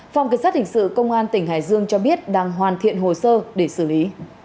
phòng cảnh sát hình sự công an tỉnh hải dương cho biết đang hoàn thiện hồ sơ để xử lý